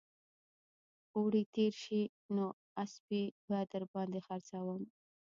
اوړي تېر شي نو اسپې به در باندې خرڅوم